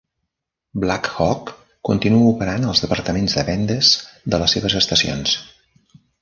Blackhawk continua operant els departaments de vendes de les seves estacions.